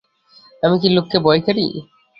আমি কি লোককে ভয় করি।